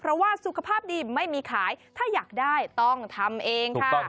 เพราะว่าสุขภาพดีไม่มีขายถ้าอยากได้ต้องทำเองค่ะ